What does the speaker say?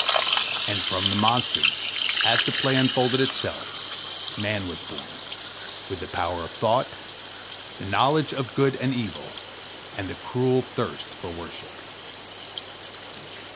And from the monsters, as the play unfolded itself, Man was born, with the power of thought, the knowledge of good and evil, and the cruel thirst for worship.